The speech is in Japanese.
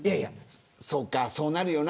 そうか、そうなるよな。